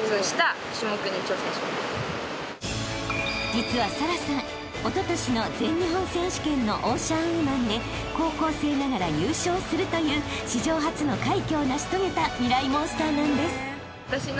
［実は沙羅さんおととしの全日本選手権のオーシャンウーマンで高校生ながら優勝するという史上初の快挙を成し遂げたミライ☆モンスターなんです］